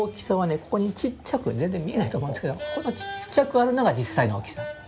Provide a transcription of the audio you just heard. ここにちっちゃく全然見えないと思うんですけどこのちっちゃくあるのが実際の大きさなんです。